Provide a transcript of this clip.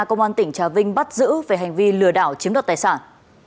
công an tỉnh trà vinh bắt giữ về hành vi lừa đảo chiếm đoạt tài sản